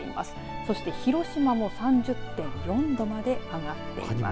そして広島も３０．４度まで上がっています。